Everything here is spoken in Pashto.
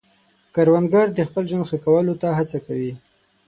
کروندګر د خپل ژوند ښه کولو ته هڅه کوي